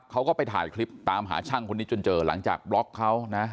เขาก็ไปถ่ายคลิปตามหาช่างคนนี้จนเจอหลังจากบล็อกเขานะ